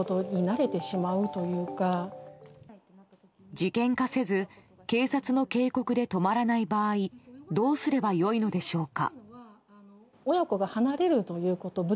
事件化せず警察の警告で止まらない場合どうすればよいのでしょうか。